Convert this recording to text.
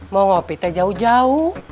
mau ngopi teh jauh jauh